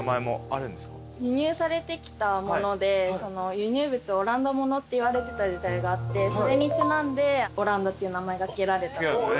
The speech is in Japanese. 輸入物オランダものっていわれてた時代があってそれにちなんでオランダっていう名前が付けられた。